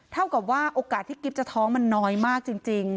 เท่ากับว่าโอกาสที่กิ๊บจะท้องมันน้อยมากจริง